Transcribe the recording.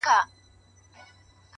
هره تجربه د راتلونکي لارښود ګرځي؛